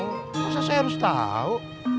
enggak tahu saya harus tahu